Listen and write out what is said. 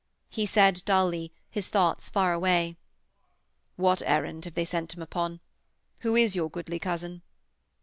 He said dully, his thoughts far away: 'What errand have they sent him upon? Who is your goodly cousin?'